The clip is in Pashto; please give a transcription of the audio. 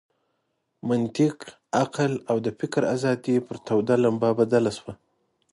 منطق، عقل او د فکر آزادي پر توده لمبه بدله شوه.